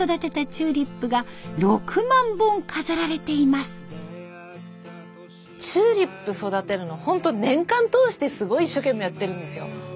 チューリップ育てるのホント年間通してすごい一生懸命やってるんですよ。